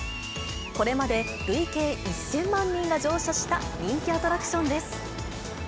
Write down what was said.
これまで累計１０００万人が乗車した人気アトラクションです。